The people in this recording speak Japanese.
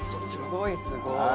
すごいすごい。